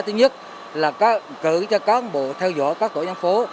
thứ nhất là cử cho cán bộ theo dõi các tổ dân phố